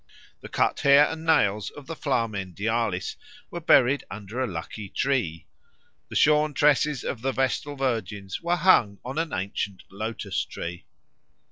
The cut hair and nails of the Flamen Dialis were buried under a lucky tree. The shorn tresses of the Vestal Virgins were hung on an ancient lotus tree.